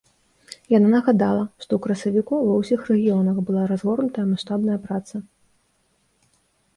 Яна нагадала, што ў красавіку ва ўсіх рэгіёнах была разгорнутая маштабная праца.